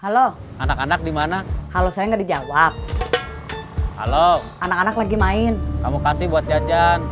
halo anak anak dimana halo saya nggak dijawab halo anak anak lagi main kamu kasih buat jajan